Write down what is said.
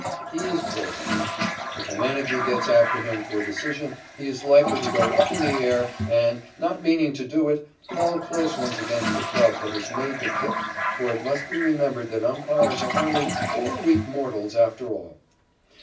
He is bull headed. If a manager gets after him for a decision, he is likely to go up in the air and, not meaning to do it, call close ones against the club that has made the kick, for it must be remembered that umpires are only "poor weak mortals after all."